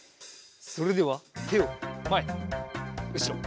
それではてをまえうしろ。